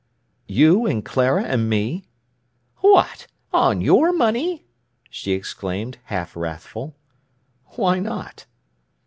"You and Clara and me." "What, on your money!" she exclaimed, half wrathful. "Why not?"